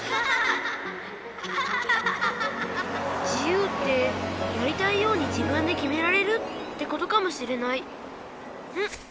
自由ってやりたいように自分できめられるってことかもしれないんっ。